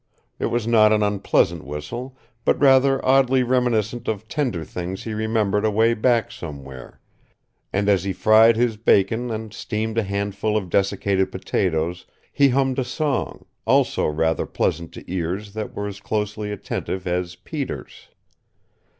It was not an unpleasant whistle, but rather oddly reminiscent of tender things he remembered away back somewhere; and as he fried his bacon and steamed a handful of desiccated potatoes he hummed a song, also rather pleasant to ears that were as closely attentive as Peter's.